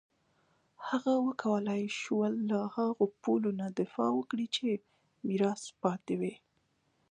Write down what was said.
هغه وکولای شول له هغو پولو نه دفاع وکړي چې میراث پاتې وې.